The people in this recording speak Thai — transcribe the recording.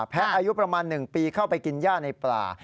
อายุประมาณ๑ปีเข้าไปกินย่าในป่า